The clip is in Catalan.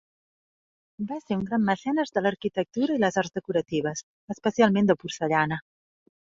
Va ser una gran mecenes de l'arquitectura i les arts decoratives, especialment de porcellana.